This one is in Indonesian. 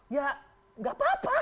ya gak apa apa